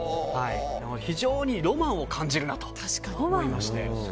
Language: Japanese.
非常にロマンを感じるなと思いまして。